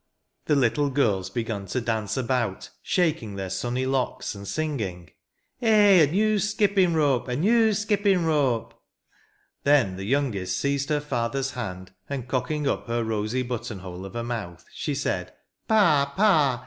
The little girls begun to dance about, shaking their sunny locks, and singing, "Eh. a new skipping rope! a new skipping rope!" Then the youngest seized her father's hand, and cocking up her rosy button hole of a mouth, she said, "Pa! Pa!